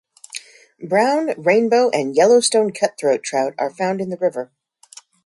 Brown, rainbow and Yellowstone cutthroat trout are found in the river.